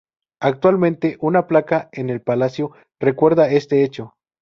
Actualmente, una placa en el Palacio recuerda este hecho.